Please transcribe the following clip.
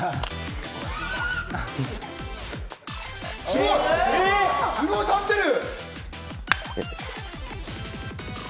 すごい！立ってる！